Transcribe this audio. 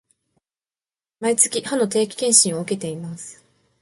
毎月、歯の定期検診を受けています